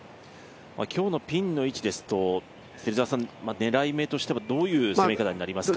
今日のピンの位置ですと、狙い目としてはどういう攻め方になりますか。